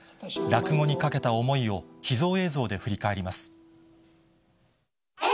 落語にかけた思いを秘蔵映像で振り返ります。